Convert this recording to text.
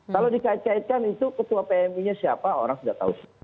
kalau dikait kaitkan itu ketua pmi nya siapa orang sudah tahu